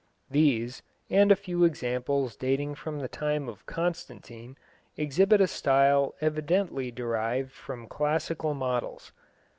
These, and a few examples dating from the time of Constantine, exhibit a style evidently derived from classical models.